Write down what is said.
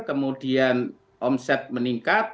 kemudian omset meningkat